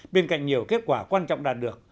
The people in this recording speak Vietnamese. bên cạnh nhiều kết quả quan trọng đạt được